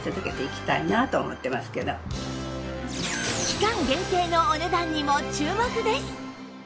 期間限定のお値段にも注目です！